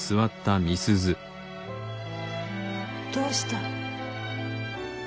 どうした？